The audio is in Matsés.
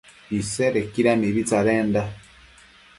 Isedequida mibi tsadenda